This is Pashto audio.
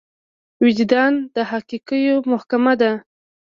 وجدان د حقايقو محکمه ده.